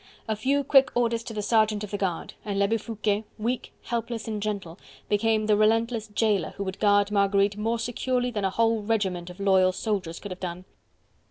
A few quick orders to the sergeant of the guard, and l'Abbe Foucquet, weak, helpless and gentle, became the relentless jailer who would guard Marguerite more securely than a whole regiment of loyal soldiers could have done.